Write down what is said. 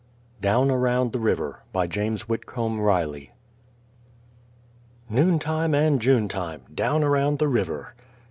DOWN AROUND THE RIVER BY JAMES WHITCOMB RILEY Noon time and June time, down around the river!